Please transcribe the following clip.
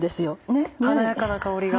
華やかな香りが。